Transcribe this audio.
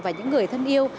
và những người thân yêu